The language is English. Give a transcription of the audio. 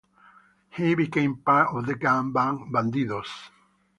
He became part of the gang band Bandidos.